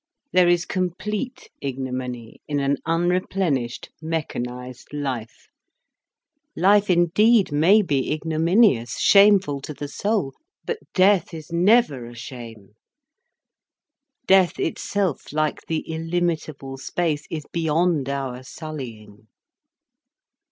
There is complete ignominy in an unreplenished, mechanised life. Life indeed may be ignominious, shameful to the soul. But death is never a shame. Death itself, like the illimitable space, is beyond our sullying.